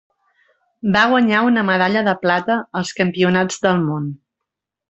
Va guanyar una medalla de plata als Campionats del Món.